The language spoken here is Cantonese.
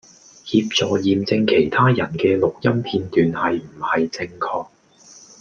協助驗證其他人既錄音片段係唔係正確